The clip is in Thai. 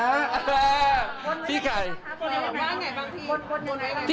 พี่ไข่บางทีบ้างไงบางที